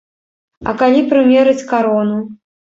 А калі прымерыць карону?